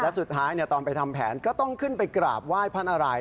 และสุดท้ายตอนไปทำแผนก็ต้องขึ้นไปกราบไหว้พระนาราย